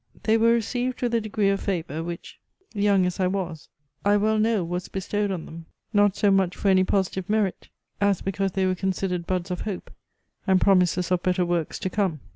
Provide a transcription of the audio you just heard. They were received with a degree of favour, which, young as I was, I well know was bestowed on them not so much for any positive merit, as because they were considered buds of hope, and promises of better works to come.